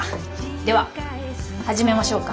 では始めましょうか。